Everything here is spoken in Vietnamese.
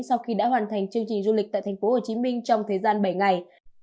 sau khi đã hoàn thành chương trình du lịch tại tp hcm trong thời gian bảy ngày